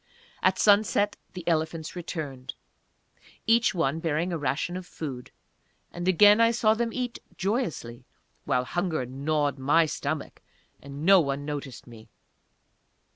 At sunset the elephants returned, each one bearing a ration of food; and again I saw them eat joyously, while hunger gnawed my stomach and no one noticed me.